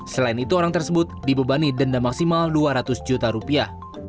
selain itu orang tersebut dibebani denda maksimal dua ratus juta rupiah